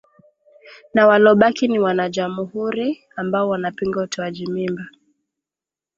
na walobaki ni Wanajamuhuri ambao wanapinga utoaji mimba